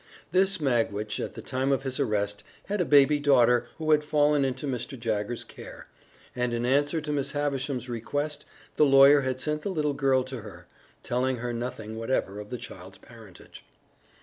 This Magwitch, at the time of his arrest, had a baby daughter, who had fallen into Mr. Jaggers's care, and in answer to Miss Havisham's request the lawyer had sent the little girl to her, telling her nothing whatever of the child's parentage.